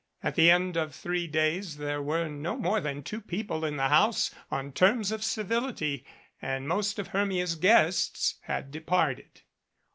At the end. of three days there were no more than two people in the house on terms of civility, and most of Hermia's guests had departed.